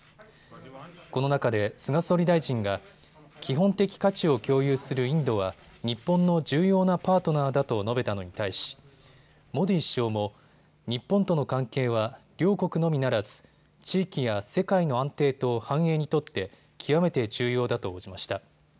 この中で菅総理大臣が基本的価値を共有するインドは日本の重要なパートナーだと述べたのに対しモディ首相も日本との関係は両国のみならず地域や世界の安定と繁栄にとって極めて重要だと応じました。